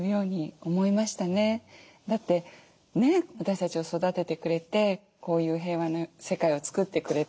だってね私たちを育ててくれてこういう平和な世界を作ってくれた。